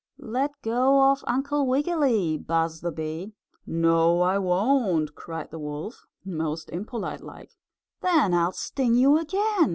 "Let go of Uncle Wiggily!" buzzed the bee. "No I won't!" cried the wolf, most impolite like. "Then I'll sting you again!"